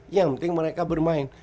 yang penting mereka bermain